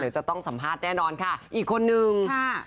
หรือจะต้องสัมภาษณ์แน่นอนค่ะอีกคนนึง